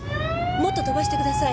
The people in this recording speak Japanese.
もっと飛ばしてください。